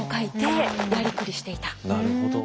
なるほど。